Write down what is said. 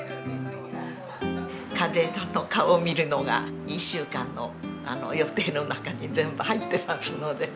和枝さんの顔を見るのが１週間の予定の中に全部入ってますので。